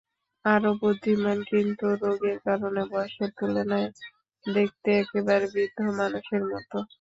অরো বুদ্ধিমান কিন্তু রোগের কারণে বয়সের তুলনায় দেখতে একেবারে বৃদ্ধ মানুষের মতো।